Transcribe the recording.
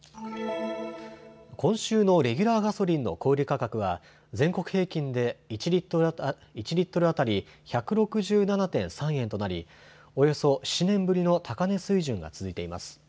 今週のレギュラーガソリンの小売価格は全国平均で１リットル当たり１６７．３円となりおよそ７年ぶりの高値水準が続いています。